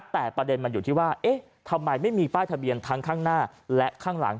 แต่ประเด็นมันอยู่ที่ว่าเอ๊ะทำไมไม่มีป้ายทะเบียนทั้งข้างหน้าและข้างหลัง